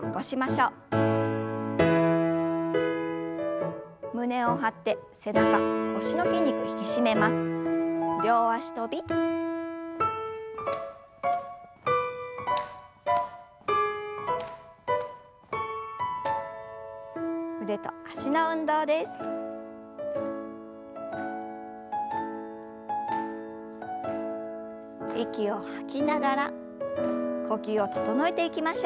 息を吐きながら呼吸を整えていきましょう。